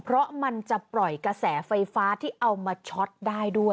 เพราะมันจะปล่อยกระแสไฟฟ้าที่เอามาช็อตได้ด้วย